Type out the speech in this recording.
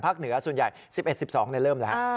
เหนือส่วนใหญ่๑๑๑๒เริ่มแล้ว